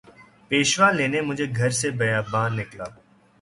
پیشوا لینے مجھے گھر سے بیاباں نکلا